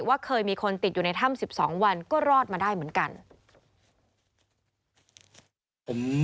เคยมีคนติดอยู่ในถ้ำ๑๒วันก็รอดมาได้เหมือนกัน